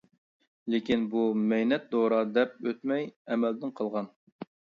لېكىن بۇ «-مەينەت» دورا دەپ ئۆتمەي ئەمەلدىن قالغان.